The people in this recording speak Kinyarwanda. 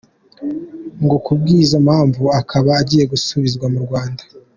Ngo ku bw’izo mpamvu akaba agiye gusubizwa mu Rwanda.